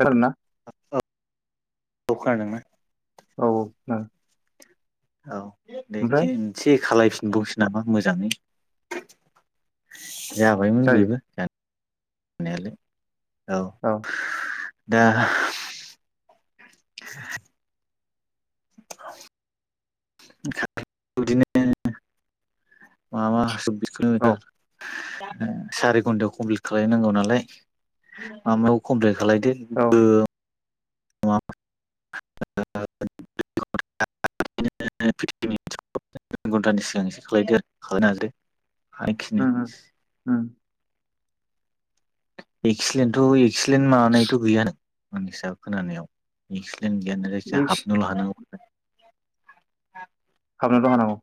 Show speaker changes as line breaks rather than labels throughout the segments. थार आरोना
औ औ खोनादों ना
औ औ [unintelligible]
औ दे
ओमफ्राय
खनसे खालायफिनबाव सै नामा मोजाङै जाबायमोन
जायो
बेबो दा मनायलो औ दा [unintelligible] [unintelligible] बिदिनो मा मास
औ
[unintelligible] सारि घन्टायाव कमप्लिट खालायनांगौ नालाय माबायाव कमप्लिट खालायदो
औ
[unintelligible] फिफटिन मिनिट सिगां घन्टानि सिगां एसे खालायदो आरो खालायनो हासै हायखिनि
उम उम उम
एक्सिलेन थ' एक्सिलेन्ट माबानायथ' गैयानो मानसा खोनानायाव [unintelligible] जों [unintelligible]
इक्स
हाबनोल' हानांगौ
हाबनोल' हानांगौ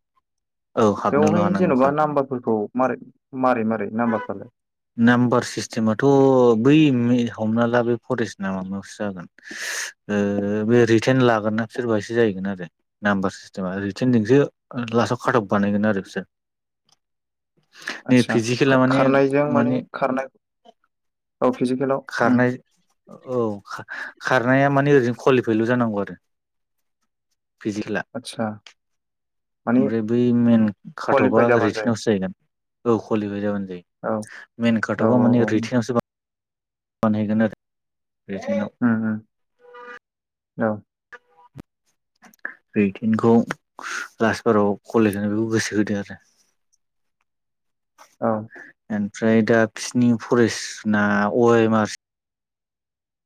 औ हाबनोल'
बेवहाय
हानांगौ
जेनेबा
खारनाया
नाम्बारफोरखौ मारै मारै मारै नामबार फ्रालाय
नाम्बार सिस्टेमाथ' बै हमना ला बे फरेस्ट ना माबायावसो जागोन बे रितेन लागोन ना बिसोर बेहायसो जाहैन आरो नामबार सिस्टेमा रिटानर्जोसो लास्टआव खाथब बानायगोन आरो बिसोर नै
आथसा
फिजिकेला माने
खारनायजों माने खारनाय औ फिजिकेलाव उम
खारनाय औ खारनाया माने ओरैजोंनो क्वालिफाइल' जानांगौ आरो फिजिकेला
आदसा माने
ओमफ्राय बै मेन खाथबा
कुवालिफाइ जाबानो जायो
रिटिनावसो जाहैगोन औ कलिफबाय जाबानो
औ
मेन
औ
खाथबा
औ
माने
औ उम
रिथेनावसो बा बानायगोन आरो रिटेनाव
उम उम औ
रैटिेनखौ लास्ट बाराव कलेज होनो बेखौ गोसो होदों आरो
औ
ओमफ्राय दा बिसिरनि फरेस्टना अ एम आर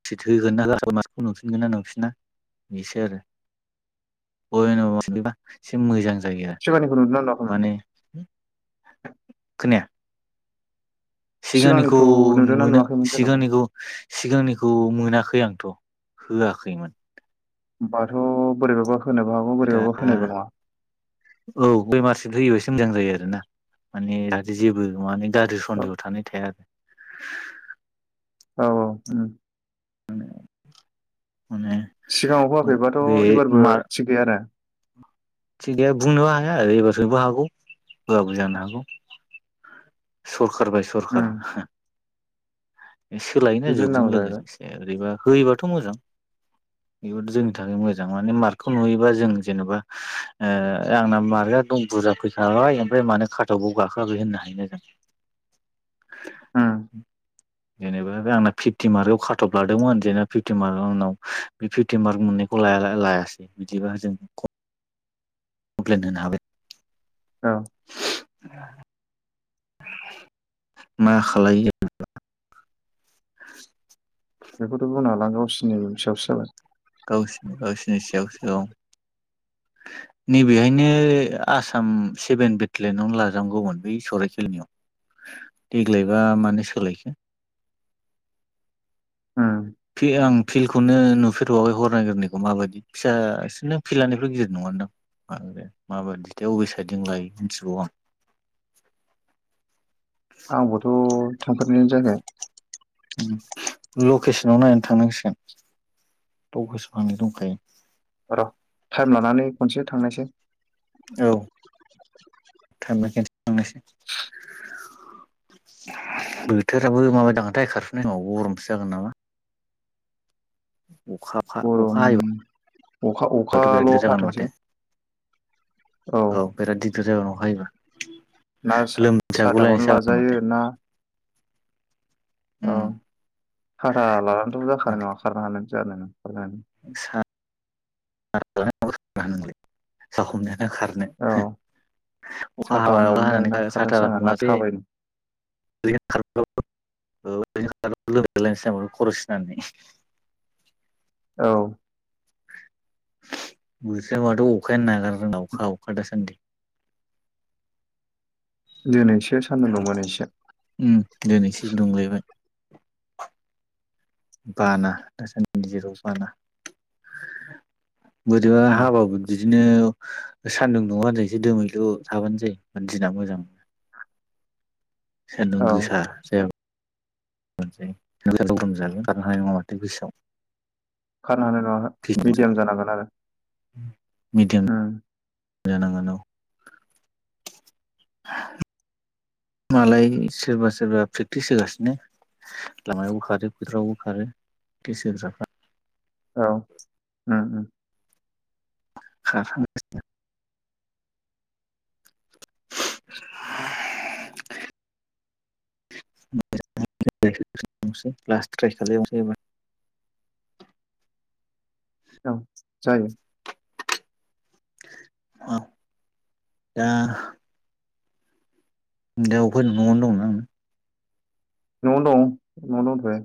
[unintelligible] होगोन ना होआ मानसिखौ नुफिनगोन ना नुफिना बेसो आरो [unintelligible] मोना एसे मोजां जायो आरो
सिबानिखौ नुदोंना नुआखैमोन?
माने खोनाया सिगांनिखौ
नुदोंना
नुवोनो
नुवाखैमोन जेन'बा
सिगांनिखौ सिगांनिखौ मोनाखै आंथ' होआखैमोन ।
होमबाथ' बोरैबाबा होनोबो हागौ
दा
बोरैबाबा होनायबो नङा
औ बेमारसो होयो मोजां जायो आरो ना माने जाहाथे जेबो नङानो दादो
औ
सन्देहआव थानाय थाया
औ औ उम
उम
सिगांङाव होयाखैबाथ' एबारबो
मार
थिग गैया दा
थिग गैया बुंनोबो हाया आरो एबार सोनोबो हागौ होआबो जानो हागौ । खार बाय सरखार
उम
हो सोलायोना
बिदि
जुगजों
होननांगौ जाहैबाय
लोगोसे ओरैबा होयोबाथ' मोजां बेबोथ' जोंनि थाखाय मोजां माने मार्कखौ नुयोबा जों जेन'बा ओ आंना मार्कआ दं बुरजा फैखाबाय ओमफ्राय मानो खाथबाव गाखोआखै होननो हायो ना जों
उम
जेनेबा बे आंना फिफ्टि मार्कआव खाथब लादोंमोन जेनेबा फिफ्टि मार्कआव आंनाव बे फिफ्टि मार्क मोननायखौ लाया लाया लायासै बिदिबा जों [unintelligible] कमप्लेन होनो हाबाय ।
औ
[unintelligible] मा खालाय [unintelligible] [unintelligible]
बेखौथ' बुंनो हाला गावसोरनि रुलनि सायावसो जागोन ।
गावसिनि गावसिनि सायावसो औ नैबेहायनो आसाम सेभेन बेटेलेनावनो लाजांगौमोन बै सराइखेलनियाव देग्लायबा मानो सोलायखो ।
उम
आं फिल्डखौनो नुफेरबावै हरिनागिरनायखौ माबायदि फिसासो नोंदां फिल्डनिफ्राय गिदिर नंङा नोंदां बांद्राय माबादिथाय अबे साइडजों लायो मिथिबावा आं
आंबोथ' थांफेरनायानो जायाखै
लकेसनाव नायनानै थांनांसिगोन लकेसन आंनाव दंखायो ।
र' टाइम लानानै खनसे थांनायसै
औ थांनांगोन थांनोसै बोथोराबो माबा दांथाय खारफुनाय समाव गरमसो जागोन नामा । अखा फा अखा
गरम
हायोबा
अखा
बाथ' बिराद
अखाल'
गिदार जागोन माथो
हाथोंसै
औ बिराद दिगदार जागोन अखा हायोबा
ना सा-
लोमजा
साथाखौनो
गुलायनायसो जागोन
लाजायो
माथो
अ
उम
भारा लानानैथ' जाखानाय
माने
नङा खारनो हानो जानाय [unintelligible]
सा [unintelligible] नोंलाय सा हमनो खारनो
नङा। औ
अखा
साथा
हाबायाव अखा
हमनानैनो ना
हानानै
खारनोसो
साथा
जागोन ना
हमासे
थाबायनो
[unintelligible] [unintelligible]
औ।
बोथोरा माथो अखायानो नागारनो रोंला अखा अखा दासान्दि।
दोनै स
उम दिनैसो दुंलायबाय। बाना दासानदि जेरावबो बाना। बोरैबा
औ
हाबा [unintelligible] दिनो सान्दुं दुङा [unintelligible] एसे दोमैलु थाबानो जायो दिना मोजां। सानदुं
औ
गोसाा जायाबा मोनजायो [unintelligible] खारनो हानाय नङा माथो गोसोआव।
खारनो हानाय नङा मिडियाम जानांगोन आरो।
[unintelligible]
उम।
जानांगोन औ। मालाय सोरबा सोरबा प्रेक्टिस होगासिनो लामायावबो खारो फोथारावबो खारो गोसो होग्राफ्रा।
औ उम उम
खाखां गासिनो [unintelligible]
औ जागोन।
अ दा। [unintelligible] नगावगनो दं नों?
न'आवनो दं न'आवनो दंथयो।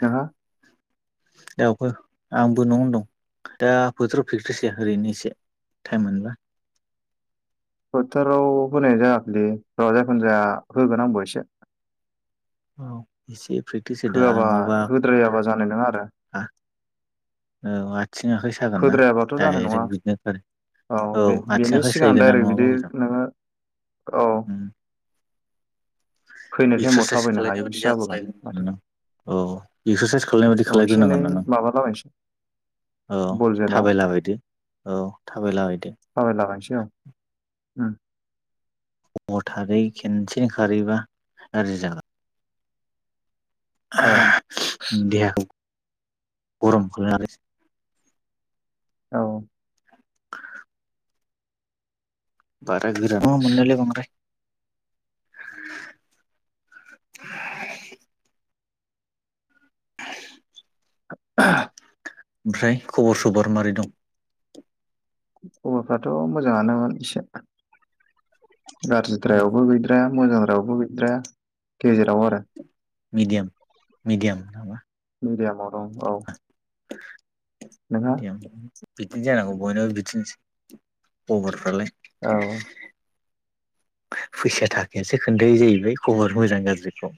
नोंहा?
दाउफो आंबो न'आवनो दं दा फोथोराव फेकट्रिस फोया ओरैनो एसे टाइम मोनबा।
फोथाराव होनाय जायाखैैलै र जिखुनु जाया होगोन आंबो एसे।
औ एसे। प्रेक्टिस होदो
होआबा
नङाबा
होद्रायाबा जानाय नङा आरो
औ आ
होद्रायाबाथ' जानाय नङा
खारो
औ बे
आथिं
बेनि
आखाइ
सिगां
साहैगोन ना
डायरेक्ट
नङाबा
बिदि
हजों
नोङो औ। फैनाय टाइमाव
एक्सारसाइस
थाबायनो
खालायनाय
हायैसो
बायदि
जाबोगोन माथो
जाथारनाय नंआ औ एक्सारसाइस खालायनाय बायदि
औ एसे एनै
खालायग्रोनांगोन ना नों।
माबालाबायनोसै
औ
बल जोनायाव
थाबायलाबायदो औ थाबायलाबायदो।
लागायसै औ ओम
हर थारै खेनसे खारैबा गाज्रि जागोन।
औ।
[unintelligible]
औ
[unintelligible] बाय। [unintelligible] [inaudible] [inaudible]
[inaudible]
ओमफ्राय खबर सबर मारै दं?
खबरफ्राथ' मोजाङानोमोन एसे गाज्रिद्रायावबो गैद्राया मोजांद्रायावबो गैद्राया गेजेराव आरो
मिडियाम मिडियाम नामा?
मडयामव औ औ
[inaudible]
नोंहा
मिडियाम बिदिनो जानांगौ बयनबो बिदिनोसै अबरफ्रालाय
औ
[inaudible] फैसा थाखायासो खोन्थाय जाहैबाय खबर मोजां गाज्रिखौ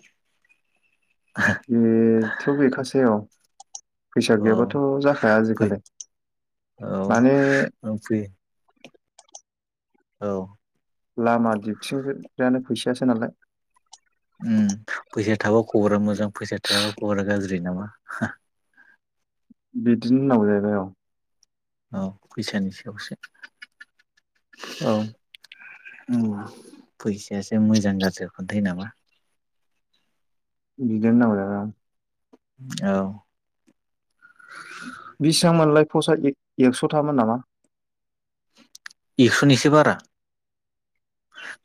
बेथ' बेखासैऔ फैसा
औ
गैयाबाथ' जाखाया
फै
आजिखालि
औ
माने
फै औ
लामा दिबथिंग्रायानो फैस सो नालाय
उम फैसाया थाबा खबरा मोजां फैसाया थायाबा खबरा गाज्रि नामा?
बिदिनो होन्नांगौ जाहैबाय औ
औ फैसानि सायावसो
औ
औ फैसायासो मोजां गाज्रिखौ खोनथायो नामा?
बिदिनो होनांगौ जाहैबाय आं
औ
बिसिबां मोनलाय फसाआ एक्स'थामोन नामा?
एक्स'नि एसे बारा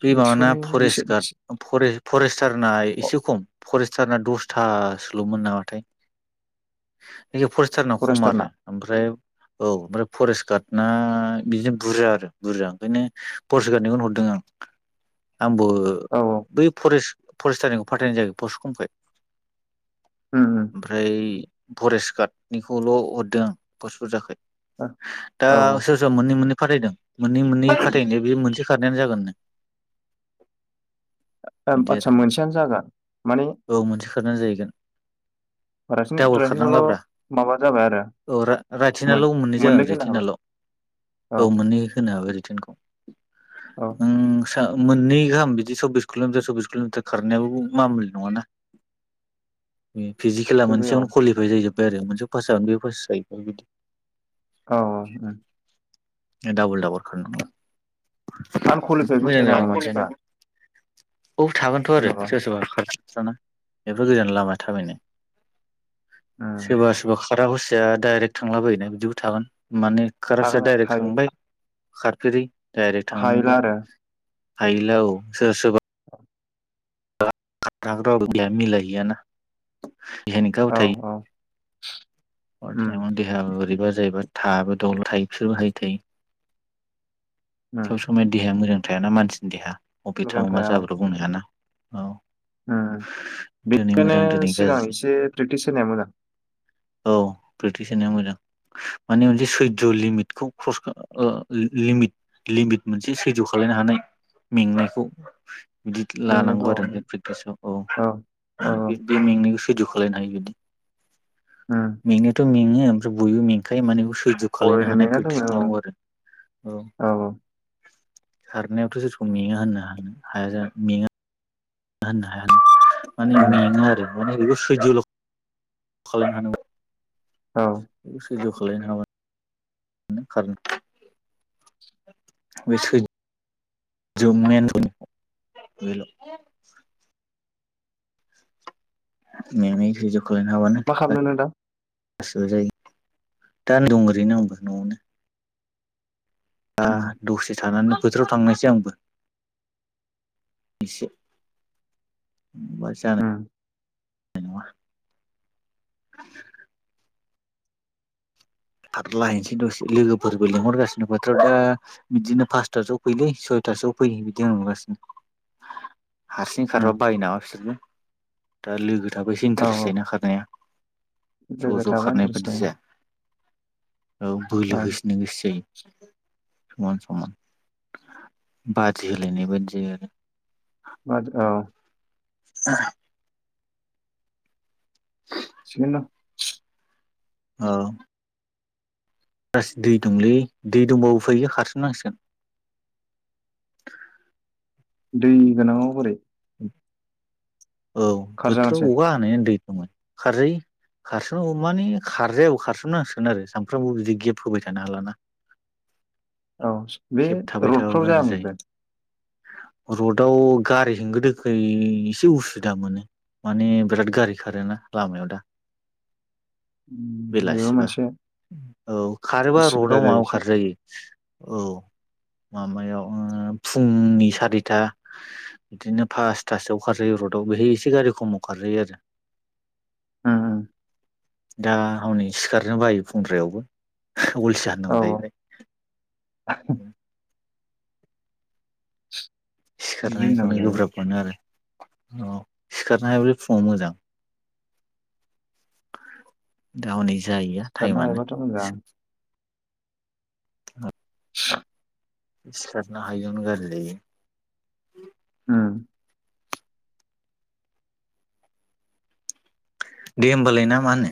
बे माबाना
एकस'नि बेसे
फरेस्ट
बेसे
गार्ड फरेस्टारना
अ
एसे खम फरेस्टारना दसथासोल'मोन नामाथाय जयखिया फरेस्टारना खम आरो ओमफ्राय औ ओमफ्राय फरेस्ट गार्ड ना बिदिजों बुरजा जादों बुरजा ओंखायनो फरेस्ट गाड निखौनो हर दों आं आंबो
औ औ
बै फरेस्ट फरस्टारिखौ फाथायनाय जायखै फस खमखाय
उम उम
ओमफ्राय फरेस्ट कार्डनिखौल हरदों पसबुरजाखाय
औ
दा
औ
सोर-सोर मोनै-मोनै फथायदों मोननै-मोननै फाथायदो बे मोनसे फाथ इनियानो जागोननो
ओं
बिदि
आतसा
आरो
मोनसेयानो जागोन माने
खारनाय जाहैगोन
राइसन
डाबल
राइसनाल'
खारनांलाब्रा
माबा जाबाय आरो
औ रा
मोन
रायथिनाल मोननै जागोन
होनो हाबाय
रिथिनाल औ मोननै होनो हगौ रिटेनखौ
औ
आं [unintelligible] मोननै गाहाम बिदि सुबबिस किल'मिटार-सबबिस किल'मिटार खारनायाबो मामुलि नङाना अम फिजिकेला
इथ' बे औ
मोनसेयावनो कुवालिफाय जायजोब [unintelligible] मोनसे पास जागोन बेयाव फास जायो
औ औ अम
डाबल-डाबल खारनांगौ
आनकुवालिफाइबो
मोजां
थायो नामा मानसिफ्रा
जागौ औ थागोनथ आरो
जेन'बा
सोर सोरबा खारो एफा गोजान लामा थाबायनाय
उम
सोरबा-सोरबा खारा हुसिया डाइरेक्ट थांला बायोना बिदिबो थागोन माने खारासे
थागोना
डाइरेक्ट
थायो
थांबाय खारफेरै डाइरेक्ट
हायोला
थांबाय
आरो
हायैला औ सोरबा-सोरबा कातब [unintelligible] आ मिलाय हैया ना जेन गाव
औ औ
थायो
उम
[unintelligible] देहा ओरैबा जाहैबा थाबो दल' थायो बिसोरबो हायो थायो सब
उम
समाया देहाया मोजां थायाना मानसिनि देहा अबेथाव मा जाब्रब्रो बुंनो हाया ना औ
ओ ओ
दिनै
बेखायनो
मोजां दिनै
सिगां
गाज्रि
एसे प्रेक्टिस होनाया मोजां
औ प्रेक्टिस होनाया मोजां माने मोनसे सैध' लिमिटखौ [unintelligible] लिमिट मोनसे सैज्य' खालायनो हानाय मेंनायखौ [inaudible]
मेंनायखौ
सोलायनो
औ औ
हायो बिदि
उम
मेंनायाथ' मेङो ओ ओमफ्राय बयबो मेंखायो माने [unintelligible] सैज खालामनो
बयनो
हानाय
मेंना
प्रेकटिस
दङो औ
खालामगौ आरो औ। खारनायावथ' सोरखौ मेङा होननो हानो हाया जा मेङा। [inaudible] माने
उम
मेङो आरो। माने बेखौ सैज' खालामनो हानांगौ
औ
सैज' खालायनो हाबा खारनो बे सैज [inaudible] मेंनाय सैज [inaudible]
मा खालामदों नों दा
[inaudible] दा दं ओरैनो आंबो न'आवनो दा
उम
दसे थानानै फोथाराव थांनायसै आंबो एसे [inaudible]
उम
[unintelligible] खाथला हैनोसै दसे लोगोफोरबो लिंहरगासिनो फोथाराव दा बिदिनो फासथासोआव फैलै सयथासोआव फै बिदि बुलागासिनो हारसिं
उम
खारबा बायो नामा बिसोरबो दा लोगो [unintelligible] एसे
औ
इन्टारेस्ट जायोना खारनाया ज'
लोगो
ज'
थाबा
खारनाय
इन्टारेस्ट
बायदि जाया औ बोलो
औ
होसिननो गोसो जायो। समान समान बादि होलायनाय बाददि आरो
[inaudible]
[inaudible]
थिगानो दं
औ [unintelligible] दै दंलै दै दंबाबो उफाय गैया खारसाबनांसिगोन
दै गोनाङाव बोरै
[inaudible] औ बोथोराव
खारजागोनसो
अखा हानायानो दै खारजायो खारसोम माने खारजायाबो खारसोमनांसिगोन आरो सानफ्रामबो बिदि गेब होबाय थानो हालाना।
औ बे रडफ्राव जायामोन बे
रडाव गारि होंगो दोखै एसे उसुबिदा मोनो माने बिराद गारि खारोना लामायाव दा
उम बेबो
बेलासिबा
मोनसे
औ खारोबा
उसुबिदा
रडआव
जायो
माबायाव
एसे
खारजायो औ माबायाव ओ फुंनि सारिथा बिदिनो पासथासोआव खारजायो रडआव बेहाय एसे गारि खमाव खारजायो आरो
होम ओम
दा हनै सिखारनो बायो फुंद्रायावबो उलसिया
औ
होन्नांगौ जाहैबाय
बिदि होननांगौ
सिखारनायखौनो
जाहैबाय
गोब्राब मोनो आरो औ सिखारनो हायोबालाय फुङाव मोजां दा हनै जाहैया
सिखारनो
टाइमानो
हायोबाथ' मोजां [unintelligible]
सिखारनो हायियावनो गारजिलै
उम
दे होमबालाय ना मा होनो